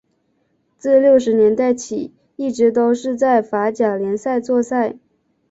自六十年代起一直都是在法甲联赛作赛。